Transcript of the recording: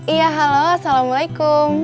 iya halo assalamualaikum